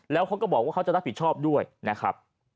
แล้วเขาก็บอกว่าเขาจะรับผิดชอบด้วยนะครับ